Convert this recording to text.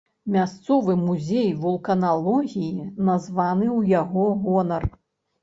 Мясцовы музей вулканалогіі названы ў яго гонар.